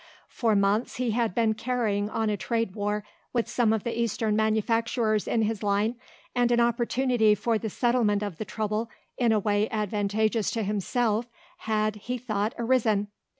For months he had been carrying on a trade war with some of the eastern manufacturers in his line and an opportunity for the settlement of the trouble in a way advantageous to himself had, he thought, arisen.